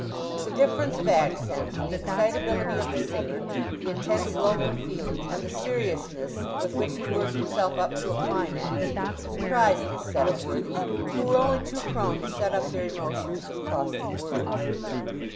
The difference of accent, the excitability of the singer, the intense local feeling, and the seriousness with which he worked himself up to a climax, surprised this set of worthies, who were only too prone to shut up their emotions with caustic words.